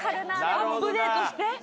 アップデートして。